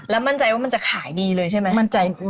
แล้วมั่นใจว่ามันจะขายดีเลยใช่ไหมมั่นใจ